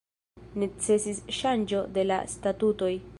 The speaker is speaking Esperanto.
Necesis ŝanĝo de la statutoj.